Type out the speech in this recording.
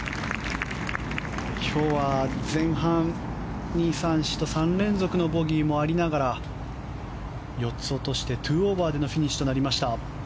今日は、前半２、３、４と３連続のボギーもありながら４つ落として２オーバーでのフィニッシュとなりました。